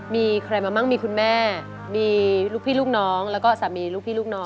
มีใครมามั่งมีคุณแม่มีลูกพี่ลูกน้องแล้วก็สามีลูกพี่ลูกน้อง